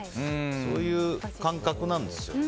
そういう感覚なんですよね。